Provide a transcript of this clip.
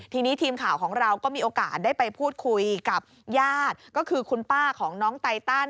ทีนี้ทีมข่าวของเราก็มีโอกาสได้ไปพูดคุยกับญาติก็คือคุณป้าของน้องไตตัน